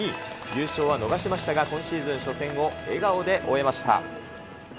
優勝は逃しましたが、今シーズン初戦を笑顔で終えました。